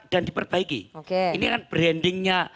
dan diperbaiki ini kan brandingnya